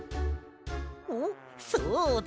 おっそうだ！